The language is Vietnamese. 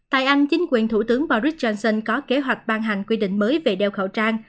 tại anh chính quyền thủ tướng boris johnson có kế hoạch ban hành quy định mới về đeo khẩu trang